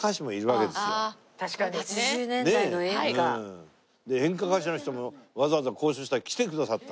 で演歌歌手の人もわざわざ交渉したら来てくださった。